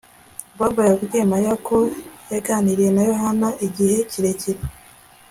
Bobo yabwiye Mariya ko yaganiriye na Yohana igihe kirekire